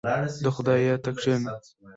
• د خدای یاد ته کښېنه.